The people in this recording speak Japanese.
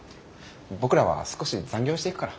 僕らは少し残業していくから。